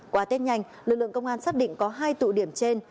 qua tết nhanh lực lượng công an xác định có hai tụ điểm trên